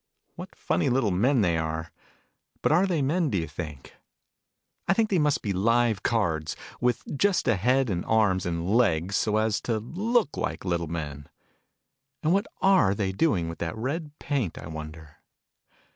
What funny little men they are ! But are they men, do you think ? I think they must be live cards, with just a head, and arms, and legs, so as to look like little men. And what are they doing with that red paint, I wonder